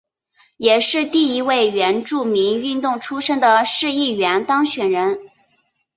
也是第一位原住民运动出身的市议员当选人。